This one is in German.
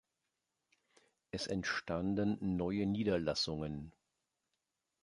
Es entstanden neue Niederlassungen.